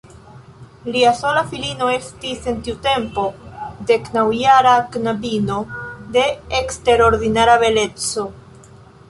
Lia sola filino estis en tiu tempo deknaŭjara knabino de eksterordinara beleco.